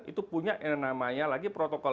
itu punya yang namanya lagi protokol